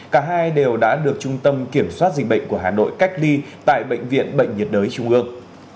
cả hai đều đã được trung tâm kiểm soát dịch bệnh của hà nội cách ly tại bệnh viện bệnh nhiệt đới trung ương